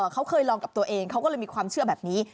เขาเคยลองกับตัวเองเขาก็เลยมีความเชื่อแบบนี้